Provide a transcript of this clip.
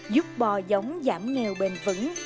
giúp bò giống giảm nghèo bền vững